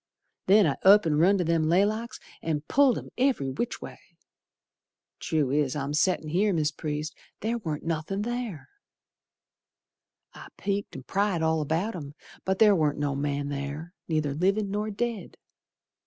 Then I up and run to them laylocks An' pulled 'em every which way. True es I'm settin' here, Mis' Priest, Ther warn't nothin' ther. I peeked an' pryed all about 'em, But ther warn't no man ther Neither livin' nor dead.